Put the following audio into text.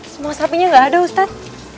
semua sapinya nggak ada ustadz